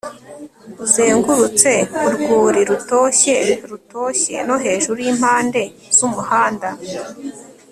uzengurutse urwuri rutoshye rutoshye no hejuru yimpande zumuhanda